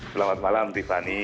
selamat malam tiffany